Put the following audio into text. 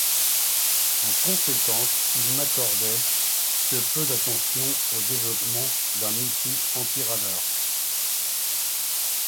En conséquence, ils n'accordaient que peu d'attention au développement d'un missile anti-radar.